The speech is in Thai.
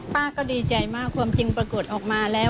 ป้าก็ดีใจมากความจริงปรากฏออกมาแล้ว